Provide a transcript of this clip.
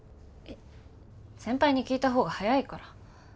先輩に聞いた方が早いから。